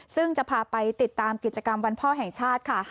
ซึ่งจะพาไปติดตามกิจกรรมวันพ่อแห่งชาติค่ะ